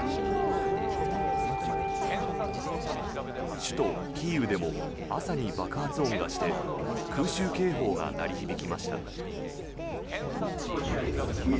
首都キーウでも朝に爆発音がして空襲警報が鳴り響きました。